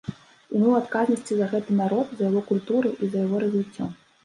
І мы ў адказнасці за гэты народ, за яго культуры і за яго развіццё.